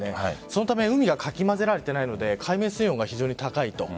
そのため海はかき混ぜられていないので海面水温が非常に高いと。